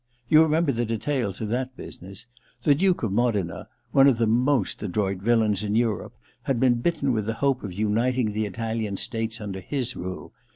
You remember the details of that business f The Duke of Modena, one of the most adroit villains in Europe, had been bitten with the hope of uniting the Italian states under his rule.